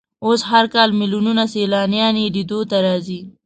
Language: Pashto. اوس هر کال ملیونونه سیلانیان یې لیدو ته راځي.